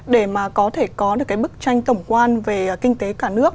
để mà có thể có được cái bức tranh tổng quan về kinh tế cả nước